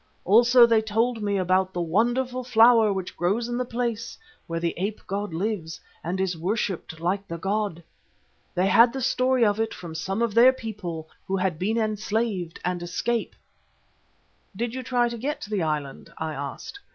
Also they told me about the wonderful flower which grows in the place where the ape god lives, and is worshipped like the god. They had the story of it from some of their people who had been enslaved and escaped." "Did you try to get to the island?" I asked.